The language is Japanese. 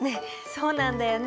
そうなんだよね。